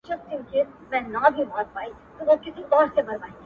د لېونتوب اته شپيتمو دقيقو کي بند دی